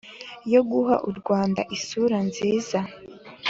yo guha u rwanda isura nziza